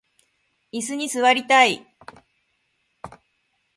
いすに座りたい